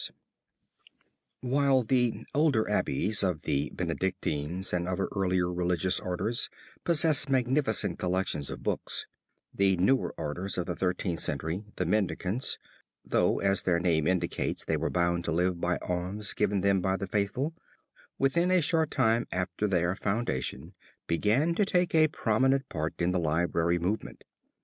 ] While the older abbeys of the Benedictines and other earlier religious orders possessed magnificent collections of books, the newer orders of the Thirteenth Century, the Mendicants, though as their name indicates they were bound to live by alms given them by the faithful, within a short time after their foundation began to take a prominent part in the library movement.